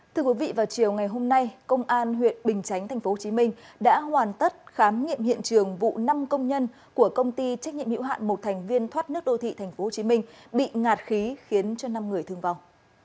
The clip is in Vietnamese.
thưa quý vị vào chiều ngày hôm nay công an huyện bình chánh tp hcm đã hoàn tất khám nghiệm hiện trường vụ năm công nhân của công ty trách nhiệm hiệu hạn một thành viên thoát nước đô thị tp hcm bị ngạt khí khiến cho năm người thương vong